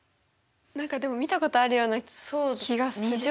何かでも見たことあるような気がする。